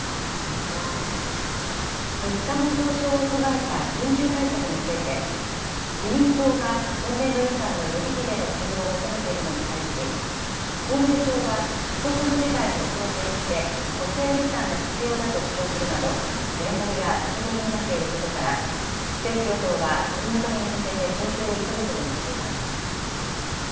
物価の上昇を踏まえた緊急対策について、自民党が今年度予算の予備費での対応を求めているのに対し、公明党は不測の事態も想定して補正予算が必要だと主張するなど、隔たりが浮き彫りになっていることから、政府・与党は取りまとめに向けて調整を急ぐことにしています。